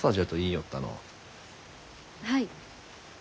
はい。